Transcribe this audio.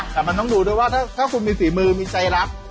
แต่มันต้องดูด้วยว่าถ้าคุณมีฝีมือมีใจรัก